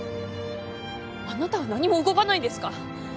あなたは何も動かないんですか？